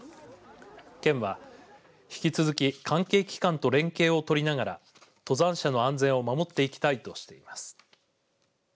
県は、引き続き関係機関と連携を取りながら登山者の安全を守っていきたいとしています。